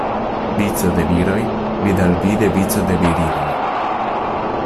Vico de viroj, vidalvide vico de virinoj.